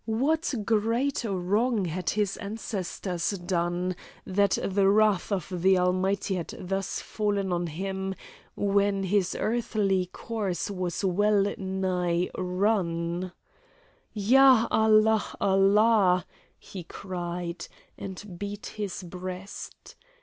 What great wrong had his ancestors done, that the wrath of the Almighty had thus fallen on him, when his earthly course was well nigh run? "Ya! Allah! Allah!" he cried, and beat his breast.